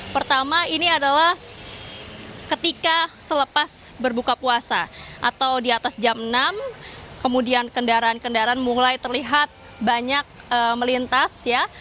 pertama ini adalah ketika selepas berbuka puasa atau di atas jam enam kemudian kendaraan kendaraan mulai terlihat banyak melintas ya